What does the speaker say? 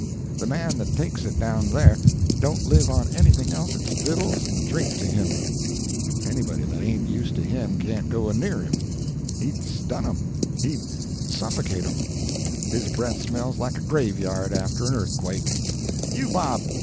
The man that takes it down there don't live on anything else it's vittles and drink to him; anybody that ain't used to him can't go a near him; he'd stun 'em—he'd suffocate 'em; his breath smells like a grave yard after an earthquake—you Bob!